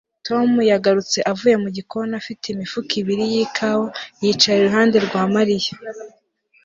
Tom yagarutse avuye mu gikoni afite imifuka ibiri yikawa yicara iruhande rwa Mariya